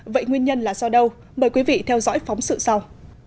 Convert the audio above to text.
vậy nguyên nhân là do đâu mời quý vị theo dõi phóng sự sau